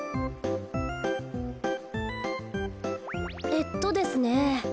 えっとですね。